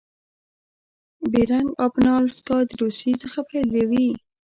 بیرنګ آبنا الاسکا د روسي څخه بیلوي.